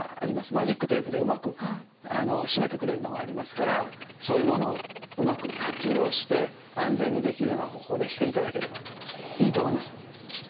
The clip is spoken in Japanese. マジックテープでうまく締めてくれるのがありますからそういうものをうまく活用して安全にできるような方法でしていただければいいと思います。